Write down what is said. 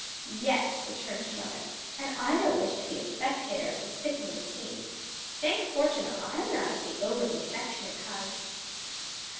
"Yes," returned her mother, "and I don't wish to be a spectator of the sickening scene. Thank fortune I'm not of the overly affectionate kind."